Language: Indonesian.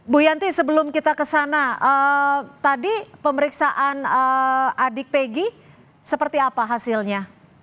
bu yanti sebelum kita ke sana tadi pemeriksaan adik pegi seperti apa hasilnya